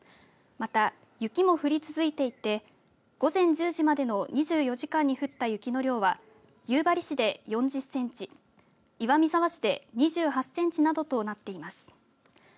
また、雪も降り続いていて午前１０時までの２４時間に降った雪の量は夕張市で４０センチ岩見沢市で２８センチなどとなっています。